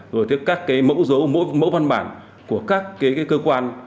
rồi các cái mẫu dấu mẫu văn bản của các cái cơ quan